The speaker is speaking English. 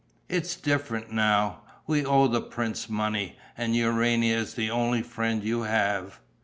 "It's different now. We owe the prince money; and Urania is the only friend you have."